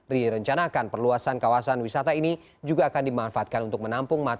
direncanakan perluasan kawasan wisata ini juga akan dimanfaatkan untuk menampung materi